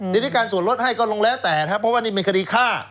ทีนี้การส่วนลดให้ก็ลงแล้วแต่นะครับเพราะว่านี่เป็นคดีฆ่า